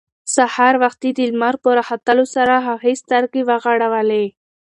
سهار وختي د لمر په راختلو سره هغې سترګې وغړولې.